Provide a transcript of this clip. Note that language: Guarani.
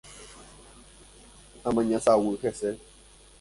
Amaña saguy hese